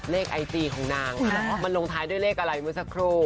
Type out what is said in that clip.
ไอจีของนางมันลงท้ายด้วยเลขอะไรเมื่อสักครู่